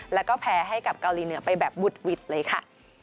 แล้วก็แพ้ให้กับเกาหลีเหนือไปแบบบุดหวิดเลยค่ะ